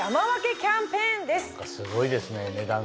すごいですね値段が。